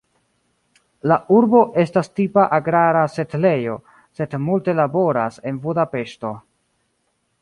La urbo estas tipa agrara setlejo, sed multe laboras en Budapeŝto.